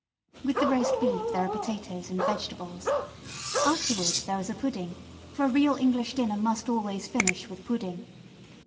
With the roast beef there are potatoes and vegetables. Afterward there was a pudding, for a real English dinner must always finish with pudding.